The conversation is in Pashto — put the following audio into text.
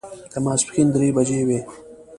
د ماسپښین درې بجې وې.